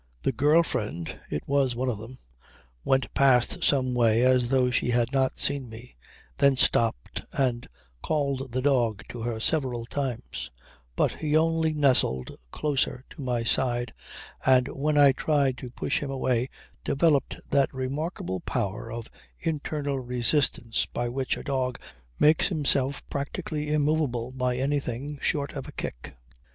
The girl friend (it was one of them) went past some way as though she had not seen me, then stopped and called the dog to her several times; but he only nestled closer to my side, and when I tried to push him away developed that remarkable power of internal resistance by which a dog makes himself practically immovable by anything short of a kick.